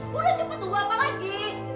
bu udah cepet apa lagi